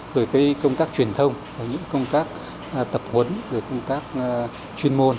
rồi công tác truyền thông công tác tập huấn công tác chuyên môn